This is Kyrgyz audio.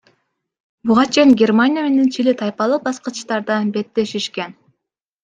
Буга чейин Германия менен Чили тайпалык баскычтарда беттешишкен.